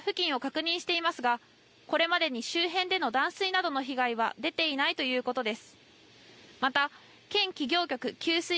現在、消防が付近を確認していますが、これまでに周辺での断水などの被害は出ていないということです。